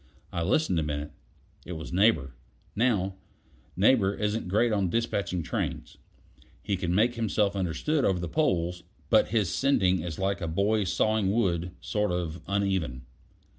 I listened a minute; it was Neighbor. Now, Neighbor isn't great on despatching trains. He can make himself understood over the poles, but his sending is like a boy's sawing wood sort of uneven.